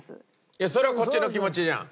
いやそれはこっちの気持ちじゃん。